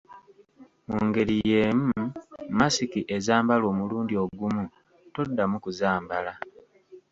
Mu ngeri y’emu masiki ezambalwa omulundi ogumu, toddamu kuzambala.